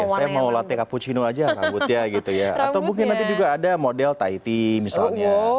saya mau latih cappuccino aja rambutnya gitu ya atau mungkin nanti juga ada model taiti misalnya